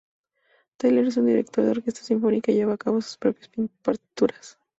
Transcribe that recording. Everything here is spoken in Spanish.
Tyler es un director de orquesta sinfónica y lleva a cabo sus propias partituras.